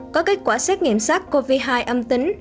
có kết quả xét nghiệm sát covid hai âm tính